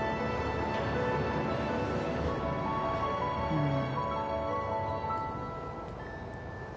うん。